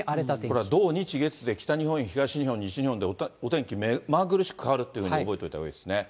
これは土、日、月で、東日本、西日本で、お天気、目まぐるしく変わるっていうんで覚えておいたほうがいいですね。